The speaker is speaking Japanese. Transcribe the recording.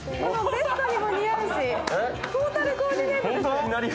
ベストにも似合うしトータルコーディネートです。